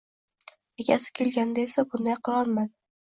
Akasi kelganda esa bunday qilolmadi